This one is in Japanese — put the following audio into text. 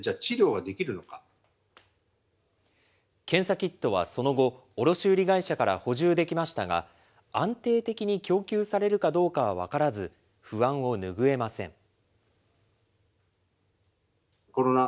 検査キットはその後、卸売り会社から補充できましたが、安定的に供給されるかどうかは分からず、不安を拭えません。